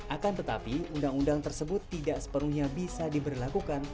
akan tetapi undang undang tersebut tidak sepenuhnya bisa diberlakukan